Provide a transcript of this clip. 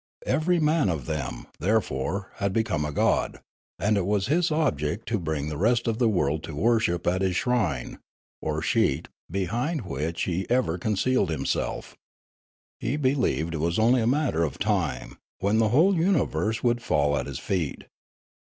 Every man of them, there fore, had become a god ; and it was his object to bring the rest of the world to worship at his shrine, or sheet, behind which he ever concealed himself He believed it was only a matter of time, when the whole universe would fall at his feet.